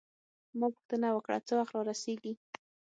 ما پوښتنه وکړه: څه وخت رارسیږي؟